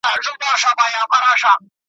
ویل ژر مي وېښتان جوړ که زما تلوار دی .